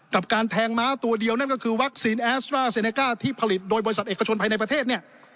การแทงม้าตัวเดียวนั่นก็คือวัคซีนแอสตราเซเนก้าที่ผลิตโดยบริษัทเอกชนภายในประเทศเนี่ย